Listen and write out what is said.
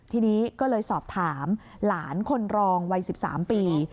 ทีนี้ก็เลยสอบถามหลานคนรองวัย๑๓ปี